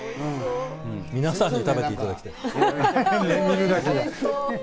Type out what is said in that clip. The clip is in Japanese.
皆さんに食べていただきたい。